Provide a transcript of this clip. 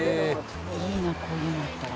いいなこういうのあったら。